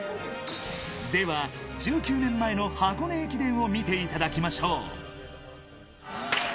では１９年前の箱根駅伝を見ていただきましょう。